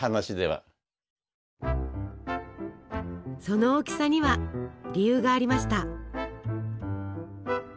その大きさには理由がありました。